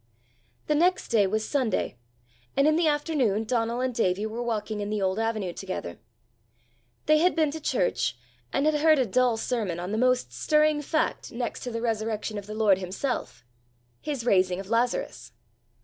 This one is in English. The next day was Sunday, and in the afternoon Donal and Davie were walking in the old avenue together. They had been to church, and had heard a dull sermon on the most stirring fact next to the resurrection of the Lord himself his raising of Lazarus.